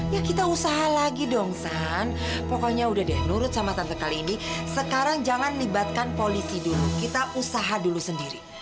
ya kita usaha lagi dong san pokoknya udah deh nurut sama tante kali ini sekarang jangan libatkan polisi dulu kita usaha dulu sendiri